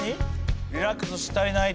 リラックスしたりないって？